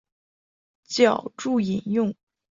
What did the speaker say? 脚注引用